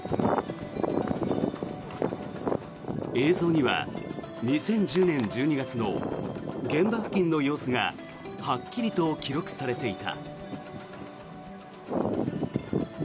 映像には２０１０年１２月の現場付近の様子がはっきりと記録されていた。